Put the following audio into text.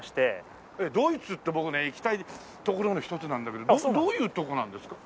ドイツって僕ね行きたい所の一つなんだけどどういうとこなんですか？